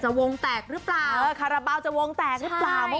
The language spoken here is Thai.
วงแตกหรือเปล่าเออคาราบาลจะวงแตกหรือเปล่า